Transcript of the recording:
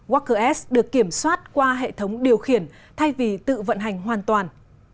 walker s được kiểm soát qua hệ thống điều khiển thay vì tự vận hành hoàn toàn